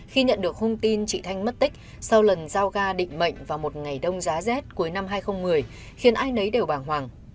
khi nhận được hung tin chị thanh mất tích sau lần giao ga định mệnh vào một ngày đông giá rét cuối năm hai nghìn một mươi khiến ai nấy đều bàng hoàng